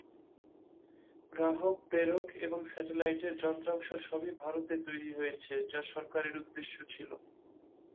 গ্রাহক প্রেরক এবং স্যাটেলাইটের যন্ত্রাংশ সবই ভারতে তৈরি হয়েছে যা সরকারের উদ্দেশ্য ছিল।